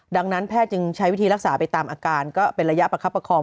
ดังนั้นแพทย์จึงใช้วิธีรักษาไปตามอาการก็เป็นระยะประคับประคอง